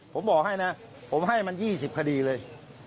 ผมบอกให้นะผมให้มัน๒๐คดีเลย